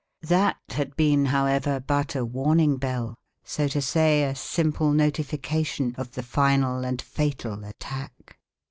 That had been, however, but a warning bell, so to say, a simple notification of the final and fatal attack.